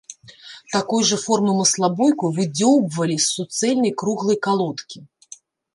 Такой жа формы маслабойку выдзёўбвалі з суцэльнай круглай калодкі.